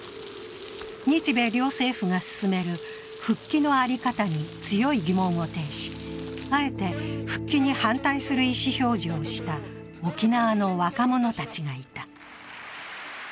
日米両政府が進める復帰の在り方に強い疑問を呈し、あえて復帰に反対する意思表示をした沖縄の若者たちがいた。